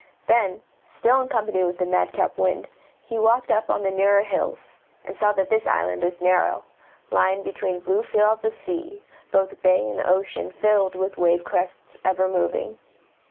Then, still in company with the madcap wind, he walked up on the nearer hills, and saw that this island was narrow, lying between blue fields of sea, both bay and ocean filled with wave crests, ever moving.